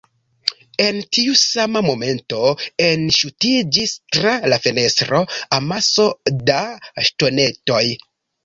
En tiu sama momento, enŝutiĝis tra la fenestro,, amaso da ŝtonetoj.